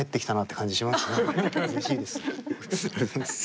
うれしいです。